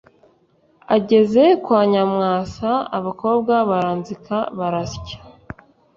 ageze kwa nyamwasa abakobwa baranzika barasya